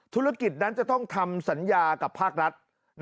ธุรกิจนั้นจะต้องทำสัญญากับภาครัฐ